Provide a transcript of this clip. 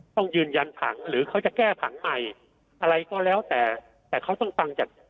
ต้องยืนยันถังหรือเขาจะแก้ผังใหม่อะไรก็แล้วแต่แต่เขาต้องฟังจาก